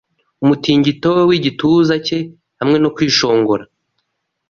Umutingito we wigituza cye hamwe no kwishongora